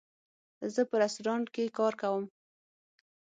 زه په رستورانټ کې کار کوم